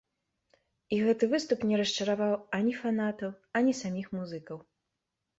І гэты выступ не расчараваў ані фанатаў, ані саміх музыкаў.